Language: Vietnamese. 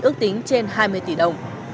ước tính trên hai mươi tỷ đồng